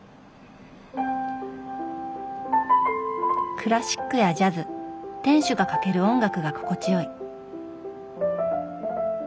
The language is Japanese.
クラシックやジャズ店主がかける音楽が心地よい。